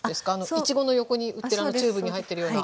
イチゴの横に売ってるあのチューブに入ってるような。